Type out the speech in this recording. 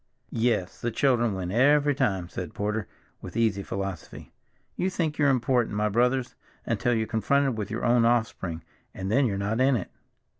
"Yes, the children win every time," said Porter with easy philosophy. "You think you're important, my brothers, until you're confronted with your own offspring, and then you're not in it."